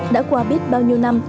đã qua biết bao nhiêu năm